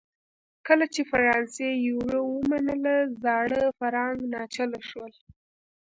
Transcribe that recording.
کله چې فرانسې یورو ومنله زاړه فرانک ناچله شول.